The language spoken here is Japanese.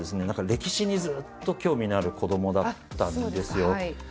歴史にずっと興味のある子どもだったんですよ。